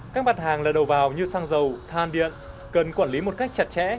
các bản hàng lần đầu vào như xăng dầu than điện cần quản lý một cách chặt chẽ